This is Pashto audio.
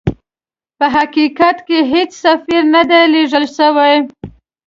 په حقیقت کې هیڅ سفیر نه دی لېږل سوی.